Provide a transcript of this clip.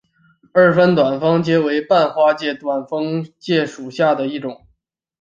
二分短蜂介为半花介科短蜂介属下的一个种。